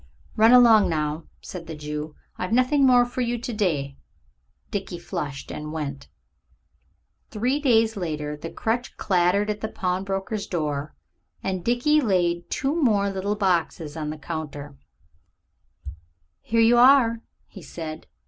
"Run along, now," said the Jew, "I've nothing more for you to day." Dickie flushed and went. Three days later the crutch clattered in at the pawnbroker's door, and Dickie laid two more little boxes on the counter. "Here you are," he said.